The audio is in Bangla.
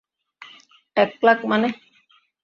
এক লাখ মানে?